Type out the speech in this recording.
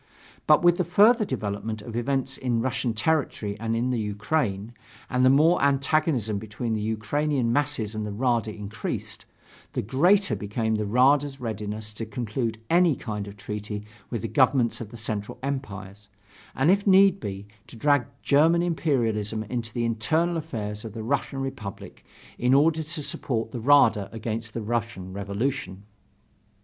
But with the further development of events in Russian territory and in the Ukraine, and the more the antagonism between the Ukrainian masses and the Rada increased, the greater became the Rada's readiness to conclude any kind of treaty with the governments of the Central Empires, and, if need be, to drag German imperialism into the internal affairs of the Russian Republic, in order to support the Rada against the Russian revolution.